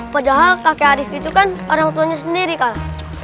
padahal kakek arief itu kan orang tuanya sendiri kan